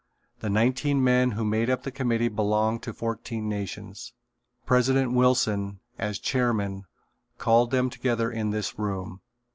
The nineteen men who made up the committee belonged to fourteen nations. President Wilson, as chairman, called them together in this room.